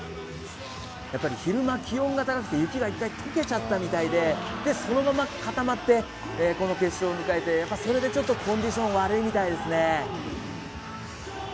やっぱり昼間気温が高くて雪が一回溶けちゃったみたいで、そのまま固まってこの決勝迎えてコンディション悪いみたいですね。